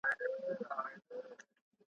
ستا تر درشله خامخا راځمه `